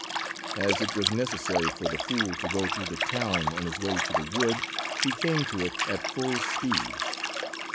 As it was necessary for the fool to go through the town on his way to the wood, he came to it at full speed.